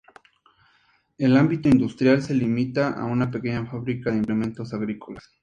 El ámbito industrial se limita a una pequeña fábrica de implementos agrícolas.